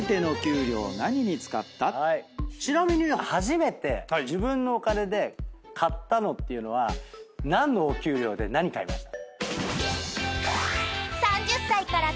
ちなみに初めて自分のお金で買ったのっていうのは何のお給料で何買いました？